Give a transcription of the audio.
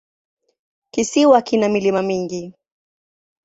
Kisiwa kina milima mingi.